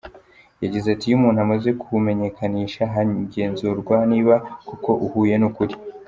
Yagize ati “Iyo umuntu amaze kuwumenyakanisha, hagenzurwa niba koko uhuye n’ukuri.